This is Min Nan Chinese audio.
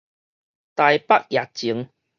台北驛前